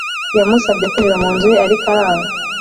Yamusabye kwinjira mu nzu ye ariko aranga